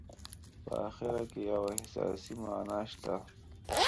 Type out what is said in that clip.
په اخر کې یوه احساسي معنا شته.